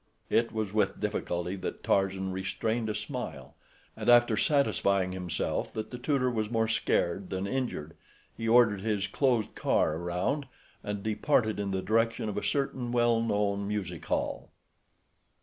It was with difficulty that Tarzan restrained a smile, and after satisfying himself that the tutor was more scared than injured, he ordered his closed car around and departed in the direction of a certain well known music hall.